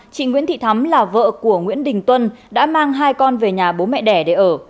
chị nguyễn thị thắm là vợ của nguyễn đình tuân đã mang hai con về nhà bố mẹ đẻ để ở